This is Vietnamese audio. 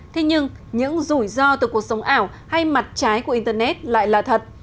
thế nhưng những rủi ro từ cuộc sống ảo hay mặt trái của internet lại là thật